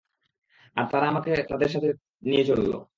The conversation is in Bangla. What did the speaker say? আর তারা আমাকে তাদের সাথে নিয়ে চলল।